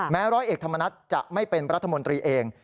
ร้อยเอกธรรมนัฐจะไม่เป็นรัฐมนตรีเอง